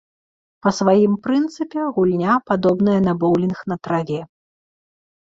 Па сваім прынцыпе гульня падобная на боўлінг на траве.